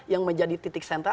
yang menjadi titik sentra